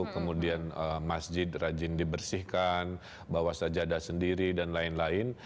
kemudian masjid rajin dibersihkan bawas sajadah sendiri dan lain lain